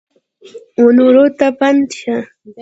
ونورو ته پند شه !